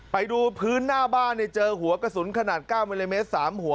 ไปดูพื้นหน้าบ้านเนี่ยเจอหัวกระสุนขนาดเก้ามิลเลเมตรสามหัว